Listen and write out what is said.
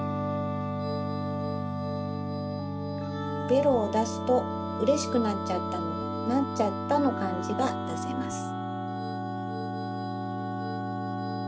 ベロをだすと「うれしくなっちゃった」の「なっちゃった」のかんじがだせます。